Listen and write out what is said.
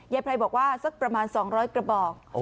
ไพรบอกว่าสักประมาณ๒๐๐กระบอก